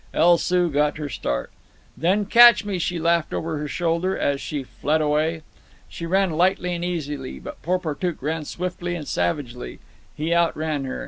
El Soo got her start. "Then catch me," she laughed over her shoulder, as she fled away. She ran lightly and easily, but Porportuk ran swiftly and savagely. He outran her.